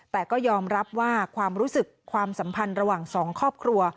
แต่ก็ยอมรับว่าความรู้สึกความสัมพันธ์ระหว่างสองครอบครัว